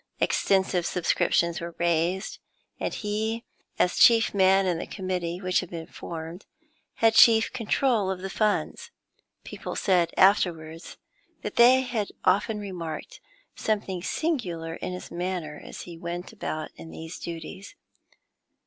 Extensive subscriptions were raised, and he, as chief man in the committee which had been formed, had chief control of the funds. People said afterwards that they had often remarked something singular in his manner as he went about in these duties.